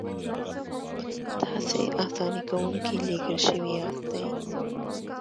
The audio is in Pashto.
تاسې اساني کوونکي لېږل شوي یاستئ.